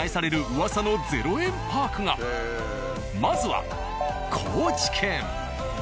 まずは高知県。